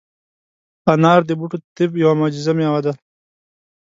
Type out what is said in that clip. انار د بوټو طب یوه معجزه مېوه ده.